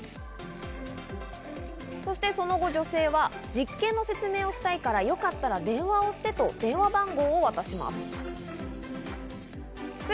その後、女性は実験の説明をしたいから、よかったら電話をしてと電話番号を渡します。